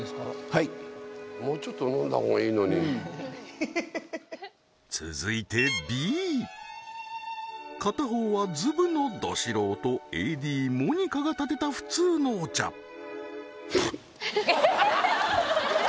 はいもうちょっと飲んだほうがいいのに続いてＢ片方はずぶのど素人ＡＤモニカがたてた普通のお茶笑